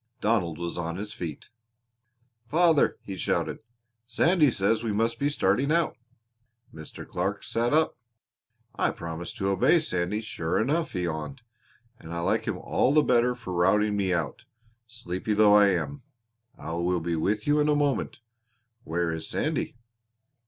Donald was on his feet. "Father," he shouted, "Sandy says we must be starting out." Mr. Clark sat up. "I promised to obey Sandy, sure enough," he yawned, "and I like him all the better for routing me out, sleepy though I am. I will be with you in a moment. Where is Sandy?"